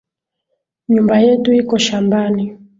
Nyumba yetu iko shambani